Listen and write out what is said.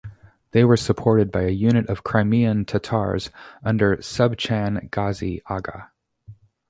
They were supported by a unit of Crimean Tatars, under Subchan Ghazi Aga.